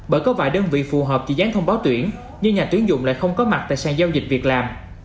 bởi có vài đơn vị phù hợp chỉ gián thông báo tuyển nhưng nhà tuyển dụng lại không có mặt tại sàn giao dịch việc làm